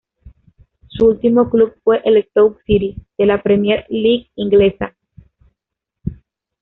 Su último club fue el Stoke City de la Premier League inglesa.